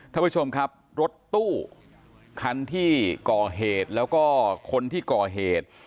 ท่านผู้ชมครับรถตู้คันที่ก่อเหตุแล้วก็คนที่ก่อเหตุ